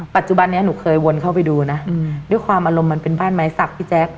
ปัจจุบันนี้หนูเคยวนเข้าไปดูนะด้วยความอารมณ์มันเป็นบ้านไม้สักพี่แจ๊ค